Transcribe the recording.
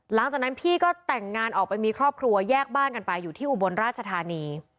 หลังจากนั้นพี่ก็แต่งงานออกไปมีครอบครัวแยกบ้านกันไปอยู่ที่อุบลราชธานี